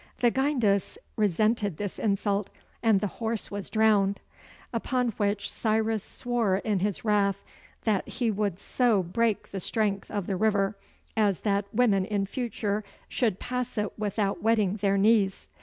The Gyndes resented this insult and the horse was drowned: upon which Cyrus swore in his wrath that he would so break the strength of the river as that women in future should pass it without wetting their knees.